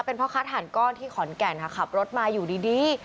เป็นพ่อค้าถ่านก้อนที่ขอนแก่นค่ะขับรถมาอยู่ดี